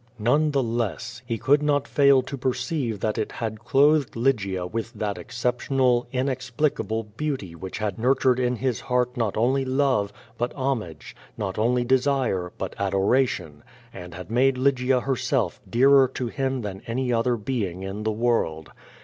None the less, he could not fail to perceive that it had cloth ed Lygia with that exceptional, inexplicable beauty which had nurtur(»d in his heart not only love, but homage, not only desire, but adoration, and had made Lygia herself dearer to him than any other being in the world.